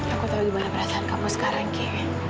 aku tahu gimana perasaan kamu sekarang kayaknya